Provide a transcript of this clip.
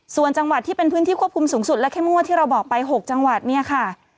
ส่วนจังหวัดที่เป็นพื้นที่ควบคุมสูงสุดและเข้มงวดที่เราบอกไป๖จังหวัดเนี่ยค่ะ